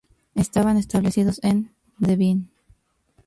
Estaban establecidos en Dvin.